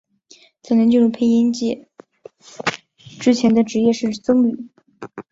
早年进入配音业界之前的职业是僧侣。